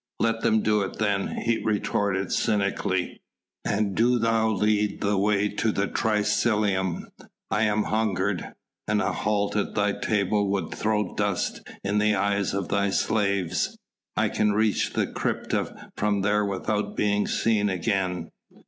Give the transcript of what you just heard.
"Let them do it then," he retorted cynically. "And do thou lead the way to the triclinium. I am anhungered, and a halt at thy table will throw dust in the eyes of thy slaves. I can reach the crypta from there without being seen again."